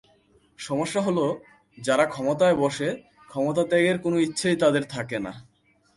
সমস্যা হলো, যারা ক্ষমতায় বসে, ক্ষমতা ত্যাগের কোনো ইচ্ছাই তাদের থাকে না।